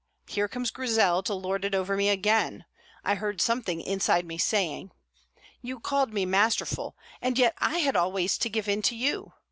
'Here comes Grizel to lord it over me again,' I heard something inside me saying. You called me masterful, and yet I had always to give in to you.